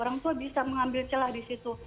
orang tua bisa mengambil celah di situ